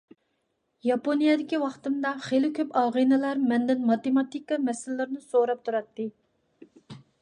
ياپونىيەدىكى ۋاقتىمدا خېلى كۆپ ئاغىنىلەر مەندىن ماتېماتىكا مەسىلىلىرىنى سوراپ تۇراتتى.